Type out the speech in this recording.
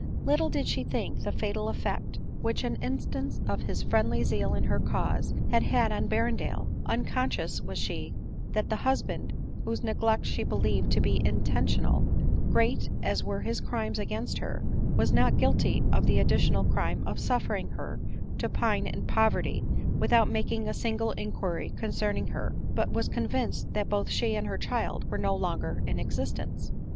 Little did she think the fatal effect which an instance of his friendly zeal in her cause had had on Berrendale ; unconscious was she that the hus band, whose neglect she believed to be intentional, great as were his crimes against her, was not guilty of the addi tional crime of suffering her to pine in poverty without making a single inquiry concerning her, but was con vinced that both she and her child were no longer in existence.